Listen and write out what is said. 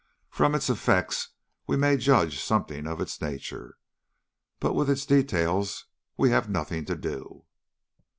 From its effects we may judge something of its nature, but with its details we have nothing to do."